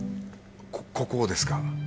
ここをですか？